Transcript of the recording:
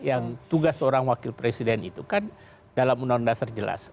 yang tugas orang wakil presiden itu kan dalam undang undang terjelas